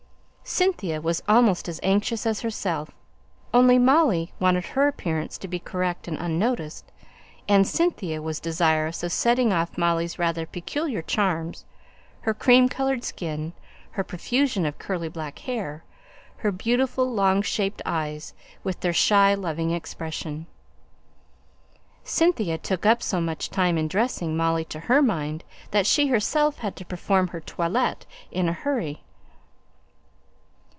Cynthia was almost as anxious as herself; only Molly wanted her appearance to be correct and unnoticed; and Cynthia was desirous of setting off Molly's rather peculiar charms her cream coloured skin, her profusion of curly black hair, her beautiful long shaped eyes, with their shy, loving expression. Cynthia took up so much time in dressing Molly to her mind, that she herself had to perform her toilette in a hurry.